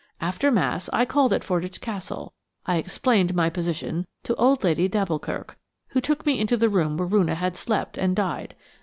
After Mass I called at Fordwych Castle. I explained my position to old Lady d'Alboukirk, who took me into the room where Roonah had slept and died.